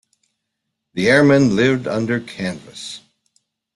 The airmen lived under canvas.